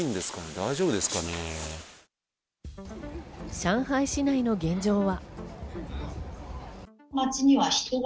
上海市内の現状は。